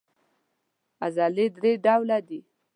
عضلې درې ډوله دي.